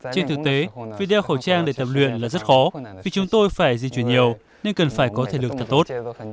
trên thực tế vì đeo khẩu trang để tập luyện là rất khó vì chúng tôi phải di chuyển nhiều nên cần phải có thể lực thật tốt